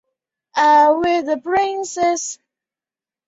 最后黄蓉再把软猬甲传给女儿郭芙了。